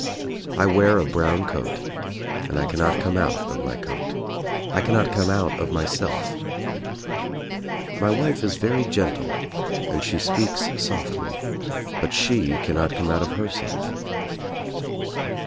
I wear a brown coat and I cannot come out of my coat. I cannot come out of myself. My wife is very gentle and she speaks softly tut she cannot come out of herself.